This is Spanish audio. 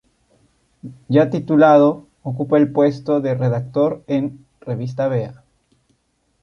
Ya titulado, ocupa el puesto de redactor en revista Vea.